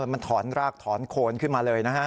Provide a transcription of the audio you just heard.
มันถอนรากถอนโคนขึ้นมาเลยนะฮะ